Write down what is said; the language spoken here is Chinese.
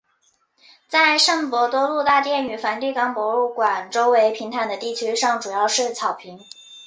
在圣伯多禄大殿和梵蒂冈博物馆周围平坦的地区上主要是草坪。